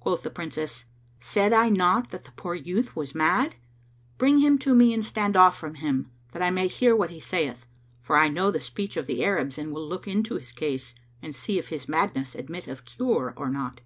Quoth the Princess, "Said I not that the poor youth was mad? Bring him to me and stand off from him, that I may hear what he saith; for I know the speech of the Arabs and will look into his case and see if his madness admit of cure or not."